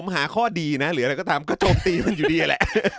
หรืออะไรที่รักก็ทำก็โจมตีมันอยู่ดีแหละ